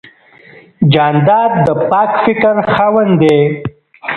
جانداد د پاک فکر خاوند دی.